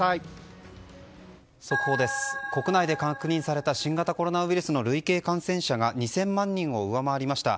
国内で確認された新型コロナウイルスの累計感染者が２０００万人を上回りました。